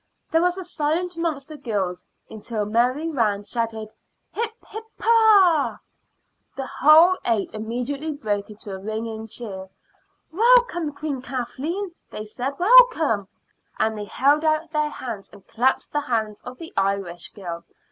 There was a silence amongst the girls until Mary Rand shouted: "Hip! hip! hurrah!" The whole eight immediately broke into a ringing cheer. "Welcome, Queen Kathleen," they said "welcome;" and they held out their hands and clasped the hands of the Irish girl.